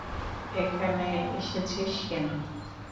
এখানে এসেছিস কেন?